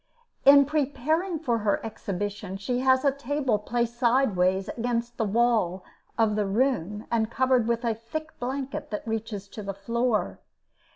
In preparing for her exhibition, she has a table placed sideways against the wall of the room, and covered with a thick blanket that reaches to the floor.